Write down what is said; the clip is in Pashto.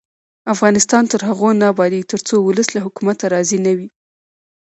افغانستان تر هغو نه ابادیږي، ترڅو ولس له حکومته راضي نه وي.